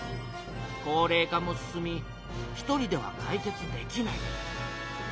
高れい化も進み１人ではかい決できない。